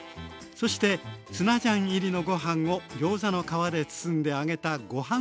そしてツナジャン入りのご飯をギョーザの皮で包んで揚げたご飯